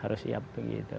harus siap begitu